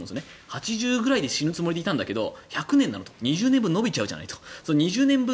８０くらいで死ぬ予定だったんだけど１００年なの？と２０年分延びちゃうじゃないと。